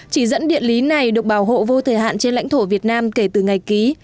chỉ dẫn địa lý này được bảo hộ vô thời hạn trên lãnh thổ việt nam kể từ ngày ký